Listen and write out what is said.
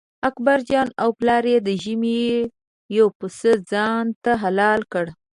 اکبرجان او پلار یې د ژمي یو پسه ځانته حلال کړ.